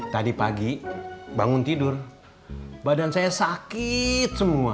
tadi pagi bangun tidur badan saya sakit semua